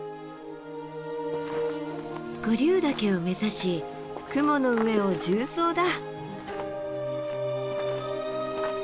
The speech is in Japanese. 五竜岳を目指し雲の上を縦走だ。